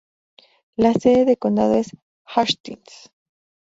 La sede de condado es Hastings.